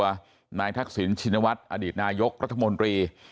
เชื่อนย้ายตัวนายทักษิณชินวัตรอดีตนายกรัฐมนตรี